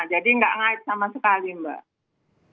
jadi tidak ngait sama sekali mbak